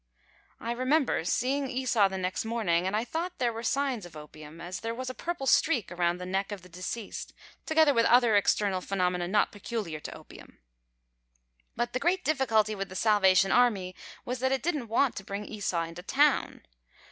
I remember seeing Esau the next morning and I thought there were signs of ropium, as there was a purple streak around the neck of deceased, together with other external phenomena not peculiar to opium. But the great difficulty with the Salvation Army was that it didn't want to bring Esau into town.